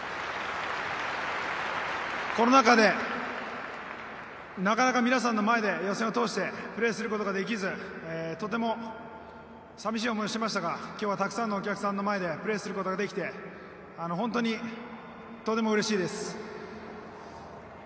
コロナ禍で、なかなか皆さんの前で予選を通してプレーすることができずとても寂しい思いをしていましたが今日はたくさんのお客さんの前でプレーすることができて本当にとてもうれしいです。